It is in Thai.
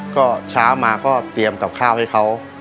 ก็เช้ามาก็เตรียมกับข้าวให้เขา